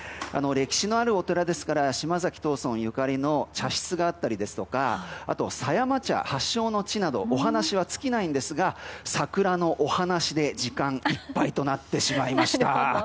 歴史のあるお寺ですから島崎藤村ゆかりの茶室があったりですとか狭山茶発祥の地などお話は尽きないんですが桜のお話で時間いっぱいとなってしまいました。